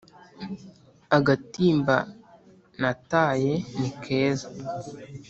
agatimba nataye nikeza